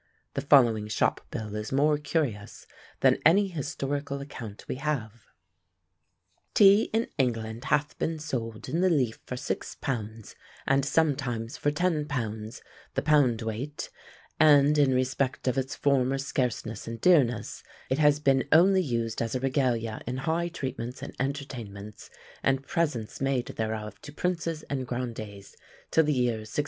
The following shop bill is more curious than any historical account we have. "Tea in England hath been sold in the leaf for six pounds, and sometimes for ten pounds the pound weight, and in respect of its former scarceness and dearness it has been only used as a regalia in high treatments and entertainments, and presents made thereof to princes and grandees till the year 1657.